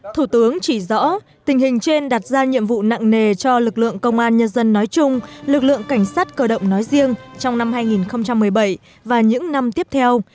thủ tướng chỉ rõ tình hình trên đặt ra nhiệm vụ nặng nề cho lực lượng công an nhân dân nói chung lực lượng cảnh sát cơ động nói riêng trong năm hai nghìn một mươi bảy và những năm tiếp theo